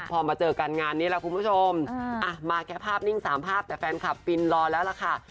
พอมาเจอกันงานนี้แหละคุณผู้ชมมาแค่ภาพนิ่ง๓ภาพแต่แฟนคลับฟินรอแล้วล่ะค่ะ